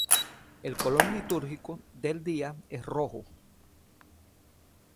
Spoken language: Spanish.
El color litúrgico del día es el rojo.